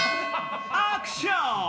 ・アクション！